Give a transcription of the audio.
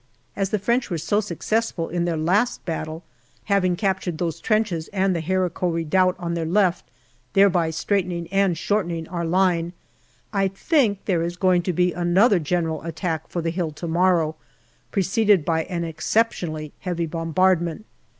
As the French were so successful in their last battle, having captured those trenches and the Haricot Redoubt on their left, thereby straightening and shortening our line, I think there is going to be another general attack for the hill to morrow, preceded by an exceptionally heavy bombardment.